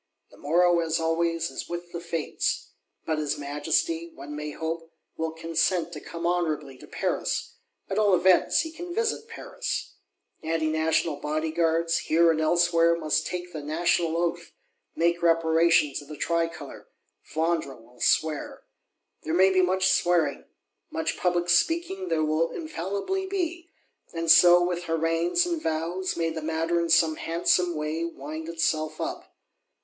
The morrow, as always, is with the Fates! But his Majesty, one may hope, will consent to come honourably to Paris; at all events, he can visit Paris. Anti national Bodyguards, here and elsewhere, must take the National Oath; make reparation to the Tricolor; Flandre will swear. There may be much swearing; much public speaking there will infallibly be: and so, with harangues and vows, may the matter in some handsome way, wind itself up.